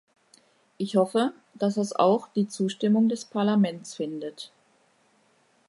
Ich hoffe, dass das auch die Zustimmung des Parlaments findet.